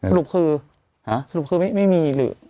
สรุปคือสรุปคือไม่มีหรือ